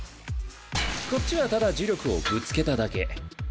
こっちはただ呪力をぶつけただけ。